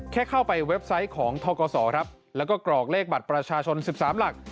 แค่เข้าไปเว็บไซต์ของทกศครับแล้วก็กรอกเลขบัตรประชาชน๑๓หลัก